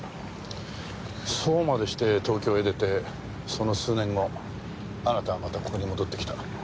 そうまでして東京へ出てその数年後あなたはまたここに戻ってきた。